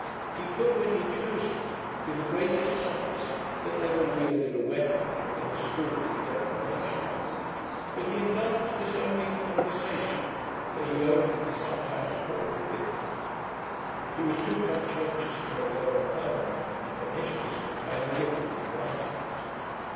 He could, when he chose it, be the greatest sophist that ever wielded a weapon in the schools of declamation; but he indulged this only in conversation; for he owned he sometimes talked for victory; he was too conscientious to make errour permanent and pernicious, by deliberately writing it.